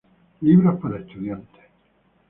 Libros para estudiantes.